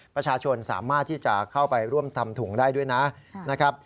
ประชาชนสามารถที่จะเข้าไปร่วมทำถุงได้ด้วยนะครับ